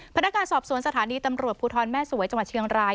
พนักงานสอบสวนสถานีตำรวจภูทรแม่สวยจังหวัดเชียงราย